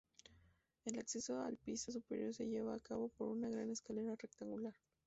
El acceso al piso superior se lleva a cabo por una gran escalera rectangular.